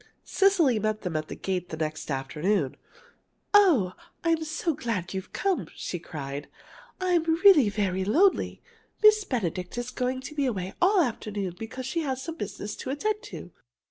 Cecily met them at the gate the next afternoon. "Oh, I'm so glad you've come!" she cried. "I'm really very lonely. Miss Benedict is going to be away all the afternoon because she has some business to attend to.